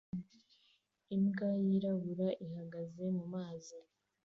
Imbwa yirabura ihagaze mumazi